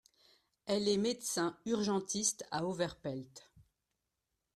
Elle est médecin urgentiste à Overpelt.